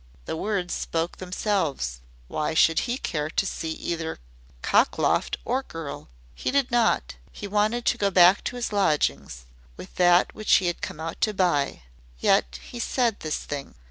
The words spoke themselves. Why should he care to see either cockloft or girl? He did not. He wanted to go back to his lodgings with that which he had come out to buy. Yet he said this thing.